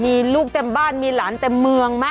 มีลูกเต็มบ้านมีหลานเต็มเมืองไหม